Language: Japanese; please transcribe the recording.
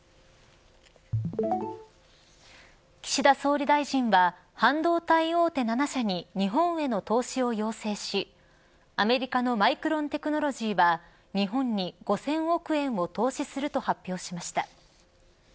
岸田総理大臣は半導体大手７社に日本への投資を要請しアメリカのマイクロン・テクノロジーは日本に５０００億円を投資すると発表しました。